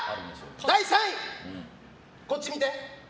第３位、こっち見て。